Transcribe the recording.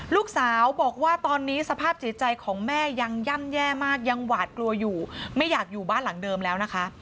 ลูกสาวบอกว่าตอนนี้สภาพจิตใจของแม่ยังย่ำแย่มากยังหวาดกลัวอยู่ไม่อยากอยู่บ้านหลังเดิมแล้วนะคะ